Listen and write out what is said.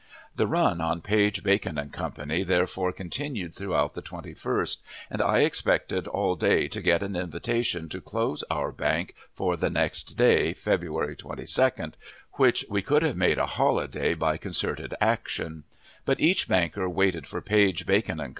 The run on Page, Bacon & Co. therefore continued throughout the 21st, and I expected all day to get an invitation to close our bank for the next day, February 22, which we could have made a holiday by concerted action; but each banker waited for Page, Bacon & Co.